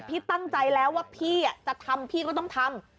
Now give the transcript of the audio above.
พี่ตั้งใจแล้วว่าพี่จะทำพี่ก็ต้องทำ